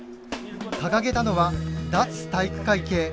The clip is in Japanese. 掲げたのは脱体育会系。